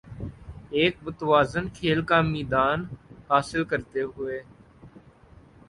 ایک متوازن کھیل کا میدان حاصل کرتے ہوے